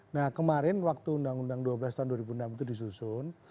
nah kemarin waktu undang undang dua belas tahun dua ribu enam itu disusun